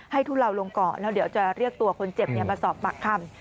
ทุเลาลงก่อนแล้วเดี๋ยวจะเรียกตัวคนเจ็บมาสอบปากคำ